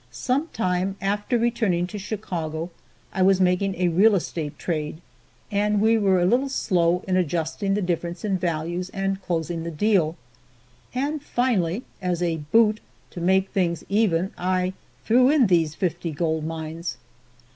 Some time after returning to Chicago I was making a real estate trade, and we were a little slow in adjusting the difference in values and closing the deal, and finally as "boot" to make things even I threw in these fifty gold mines.